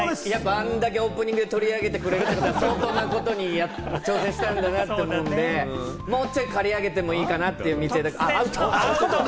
あんだけオープニングで取り上げてくれるってことは相当なことに挑戦したんで、もうちょい刈り上げていいかなって、道枝さん。